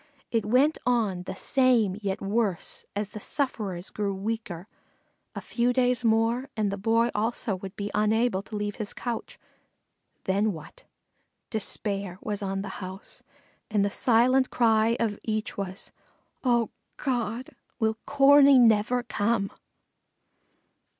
It went on the same yet worse, as the sufferers grew weaker a few days more and the Boy also would be unable to leave his couch. Then what? Despair was on the house and the silent cry of each was, "Oh, God! will Corney never come?"